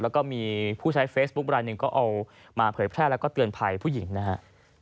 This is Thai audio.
แล้วก็มีผู้ใช้เฟซบุ๊คลายหนึ่งก็เอามาเผยแพร่แล้วก็เตือนภัยผู้หญิงนะครับ